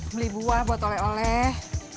beli buah buat oleh oleh